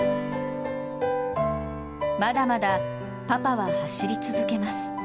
まだまだ、パパは走り続けます。